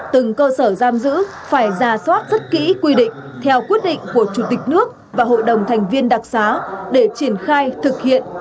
từng cơ sở giam giữ phải ra soát rất kỹ quy định theo quyết định của chủ tịch nước và hội đồng thành viên đặc xá để triển khai thực hiện